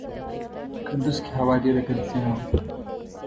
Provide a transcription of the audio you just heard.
کندوز کې هوا ډېره ګردجنه وه.